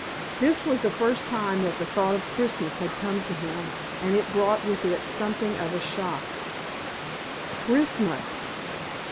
This was the first time that the thought of Christmas had come to him, and it brought with it something of a shock. _Christmas!